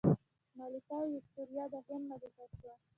ملکه ویکتوریا د هند ملکه شوه.